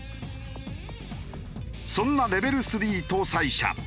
そんなレベル３搭載車。